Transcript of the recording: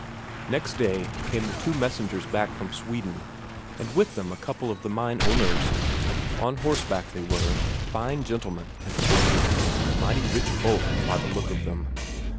Next day came the two messengers back from Sweden, and with them a couple of the mine owners; on horseback they were, fine gentlemen and portly; mighty rich folk, by the look of them.